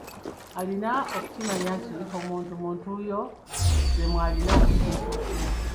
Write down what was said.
Alina okukimanya nti omuntu mu ntuuyo ze mw'alina okuggya ekyokulya.